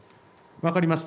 分かりました。